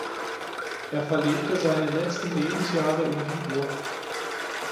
Er verlebte seine letzten Lebensjahre in Dieburg.